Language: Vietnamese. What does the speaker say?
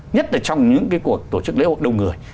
nhất là trong những cuộc tổ chức lễ hội đồng người